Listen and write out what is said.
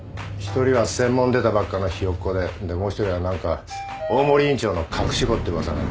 １人は専門出たばっかのひよっこでもう１人は何か大森院長の隠し子って噂。